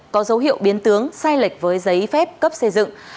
có dấu hiệu biến tướng sai lệch với giấy phép cấp xây dựng